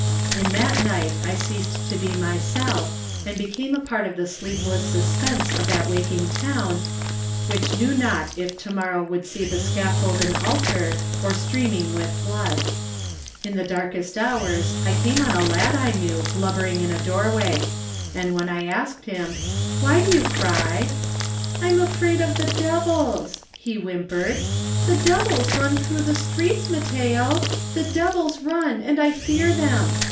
*' In that night I ceased to be myself and became a part of the sleepless suspense of that wak 77 Digitized by Google THE NINTH MAN ing town which kaew not if to morrow would see the scaffold an altar or streaming with blood. In the darkest hours I came on a lad I knew blubbering in a doorway. And when I asked him, "Why do you cry?" "I'm afraid of the devils," he whimpered. "The devils run through the streets, Mat teo. The devils run and I fear them.